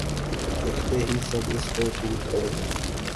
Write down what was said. چکھتے ہی سب اس پر ٹوٹ پڑے